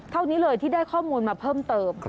เท่านี้เลยที่ได้ข้อมูลมาเพิ่มเติม